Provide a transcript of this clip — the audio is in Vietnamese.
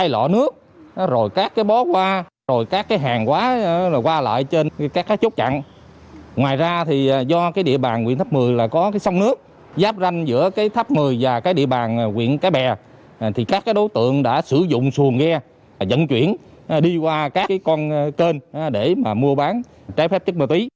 lê thanh văn đã dẫn chuyển đi qua các con kênh để mua bán trái phép chất ma túy